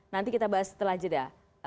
nanti kita bahas setelah jeda